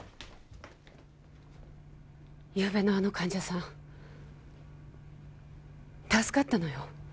ゆうべのあの患者さん助かったのよ